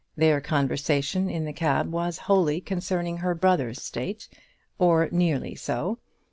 Their conversation in the cab was wholly concerning her brother's state, or nearly so.